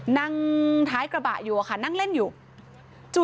นั่งท้ายกระบะอยู่อะค่ะนั่งเล่นอยู่